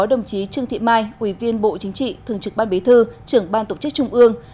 đồng chí trương thị mai ủy viên bộ chính trị thường trực ban bế thư trưởng ban tổ chức trung ương